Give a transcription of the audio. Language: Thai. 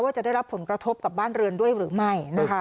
จะได้รับผลกระทบกับบ้านเรือนด้วยหรือไม่